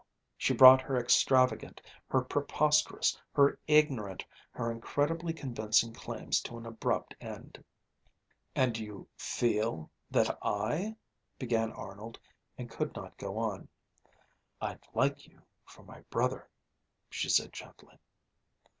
She brought her extravagant, her preposterous, her ignorant, her incredibly convincing claims to an abrupt end. "And you 'feel' that I ..." began Arnold, and could not go on. "I'd like you for my brother," she said gently.